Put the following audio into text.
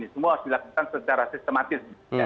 semua harus dilakukan secara sistematis